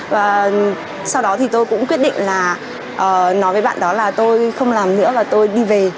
và sau đó thì tôi cũng quyết định là nói với bạn đó là tôi không làm nữa và tôi đi về